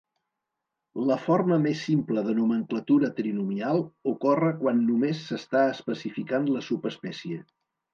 La forma més simple de nomenclatura trinomial ocorre quan només s'està especificant la subespècie.